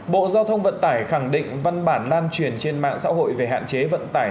bộ giao thông vận tải khẳng định văn bản lan truyền trên mạng xã hội về hạn chế vận tải